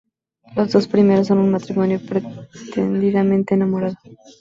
Los dos primeros son un matrimonio pretendidamente enamorado.